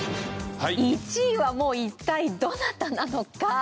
１位は一体どなたなのか？